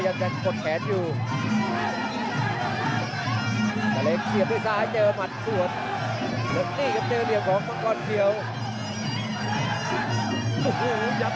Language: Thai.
อยากใส่อีกแล้วครับอัพรีเข้าใส่ครับ